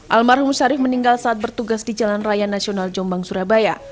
almarhum syarif meninggal saat bertugas di jalan raya nasional jombang surabaya